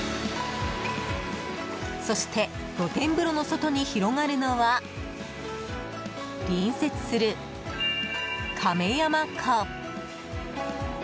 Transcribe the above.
そして露天風呂の外に広がるのは隣接する亀山湖。